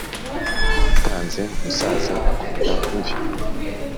Watanze umusaza kumera imvi.